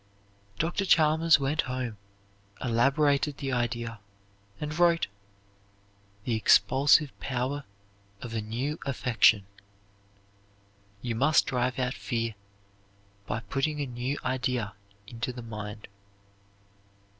Dr. Chalmers went home, elaborated the idea, and wrote "The Expulsive Power of a New Affection." You must drive out fear by putting a new idea into the mind.